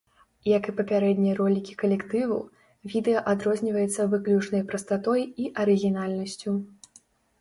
Як і папярэднія ролікі калектыву, відэа адрозніваецца выключнай прастатой і арыгінальнасцю.